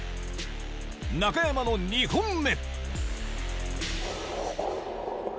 中山の２本目。